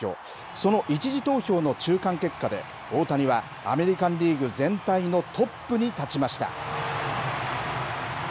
その１次投票の中間結果で、大谷は、アメリカンリーグ全体のトップに立ちました。